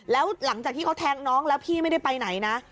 แล้วหลังจากที่เขาแทงน้องแล้วพี่ไม่ได้ไปไหนนะ